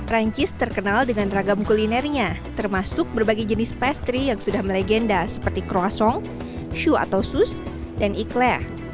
rancis terkenal dengan ragam kulinernya termasuk berbagai jenis pastry yang sudah melegenda seperti croissant choux atau sus dan ikhlaq